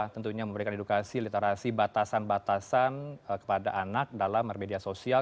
tentunya memberikan edukasi literasi batasan batasan kepada anak dalam bermedia sosial